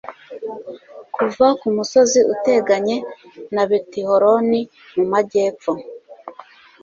kuva ku musozi uteganye na betihoroni mu majyepfo